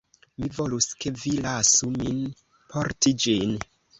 Mi volus, ke vi lasu min porti ĝin.